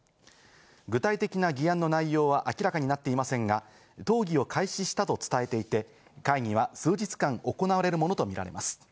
具体的な議案の内容は明らかになっていませんが、討議を開始したと伝えていて、会議は数日間行われるものとみられます。